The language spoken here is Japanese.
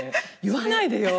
言わないでよ。